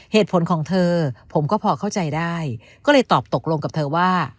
เหตุผลของเธอผมก็พอเข้าใจได้ก็เลยตอบตกลงกับเธอว่า